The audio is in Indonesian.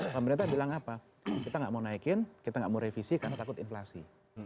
pemerintah bilang apa kita nggak mau naikin kita nggak mau revisi karena takut inflasi